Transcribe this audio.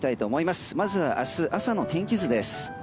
まずは明日朝の天気図です。